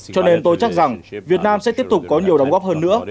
cho nên tôi chắc rằng việt nam sẽ tiếp tục có nhiều đóng góp hơn nữa